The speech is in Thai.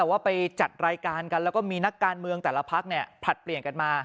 ว่าไปจัดรายการกันแล้วก็มีนักการเมืองแต่ละพักเนี่ยผลัดเปลี่ยนกันมา